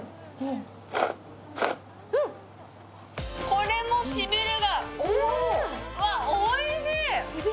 これもシビれが、おいしい！